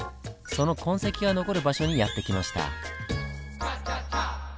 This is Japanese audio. その痕跡が残る場所にやって来ました。